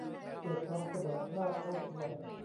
เกิดความเสมอภาค เท่าเทียม